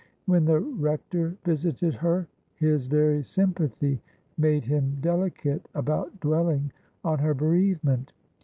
When the Rector visited her, his very sympathy made him delicate about dwelling on her bereavement.